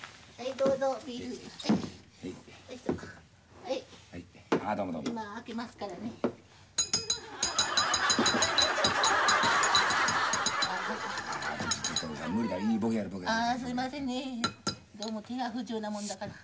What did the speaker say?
どうも手が不自由なもんだから。